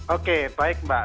oke baik mbak